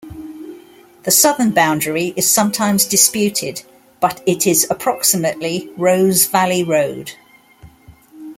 The southern boundary is sometimes disputed, but it is approximately Rose Valley Road.